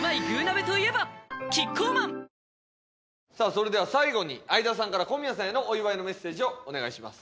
それでは最後に相田さんから小宮さんへのお祝いのメッセージをお願いします。